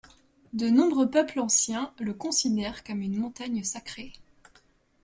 De nombreux peuples anciens le considèrent comme une montagne sacrée.